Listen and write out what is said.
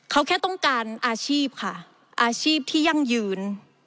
เขาแค่ต้องการอาชีพค่ะอาชีพที่ยั่งยืน